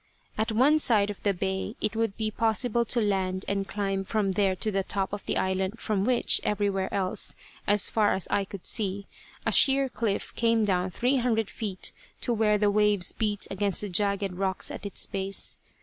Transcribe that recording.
At one side of the bay it would be possible to land and climb from there to the top of the island, from which, everywhere else, as far as I could see, a sheer cliff came down three hundred feet to where the waves beat against the jagged rocks at its base.